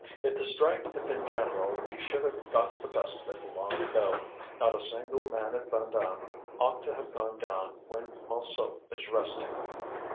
If the strike had been general we should have got the best of it long ago. Not a single man at Vandame ought to have gone down when Montsou is resting.